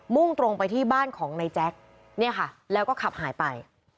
มุ่งตรงไปที่บ้านของในแจ๊กแล้วก็ขับหายไป